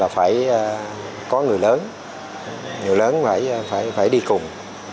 phải có người lớn người lớn phải đi cùng